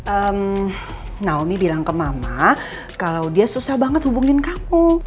ehm naomi bilang ke mama kalau dia susah banget hubungin kamu